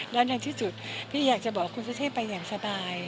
และในที่สุดพี่อยากจะบอกคุณสุเทพไปอย่างสบาย